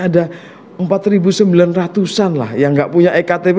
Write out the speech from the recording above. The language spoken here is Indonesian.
ada empat sembilan ratus an lah yang gak punya ektp